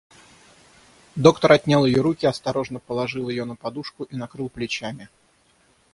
Доктор отнял ее руки, осторожно положил ее на подушку и накрыл с плечами.